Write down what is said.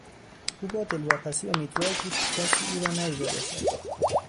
او با دلواپسی امیدوار بود که کسی او را ندیده باشد.